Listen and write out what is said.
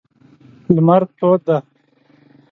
لمر تود دی.